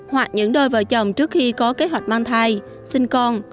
hoặc những đôi vợ chồng trước khi có kế hoạch mang thai sinh con